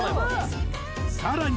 さらに